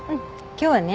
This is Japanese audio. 今日はね